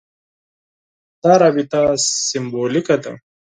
دا رابطه سېمبولیکه ده.